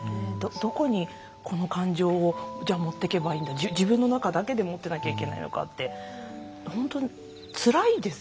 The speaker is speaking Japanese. どこにこの感情をじゃあ持っていけばいいんだ自分の中だけで持ってなきゃいけないのかって本当つらいですよね。